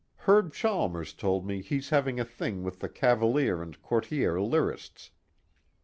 Herb Chalmers told me he's having a thing with the Cavalier and Courtier Lyrists.